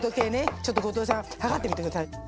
ちょっと後藤さん測ってみて下さい。